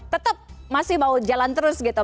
tetap masih mau jalan terus gitu